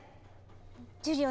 ジュリオ